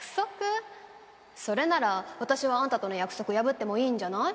それなら私はあんたとの約束破ってもいいんじゃない？